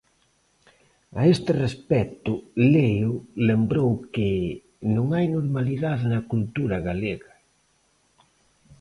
A este respecto Leo lembrou que "non hai normalidade na cultura galega".